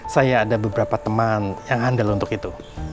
saya ada beberapa teman yang andal untuk itu